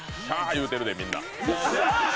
言うてるで、みんな。